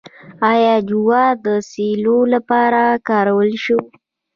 آیا جوار د سیلو لپاره کارولی شم؟